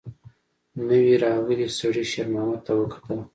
نوي راغلي سړي شېرمحمد ته وکتل.